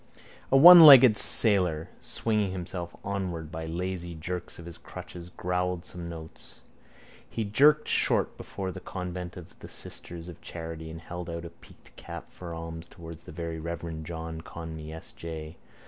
A onelegged sailor, swinging himself onward by lazy jerks of his crutches, growled some notes. He jerked short before the convent of the sisters of charity and held out a peaked cap for alms towards the very reverend John Conmee S. J.